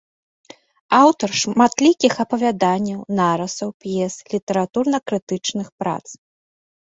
Аўтар шматлікіх апавяданняў, нарысаў, п'ес, літаратурна-крытычных прац.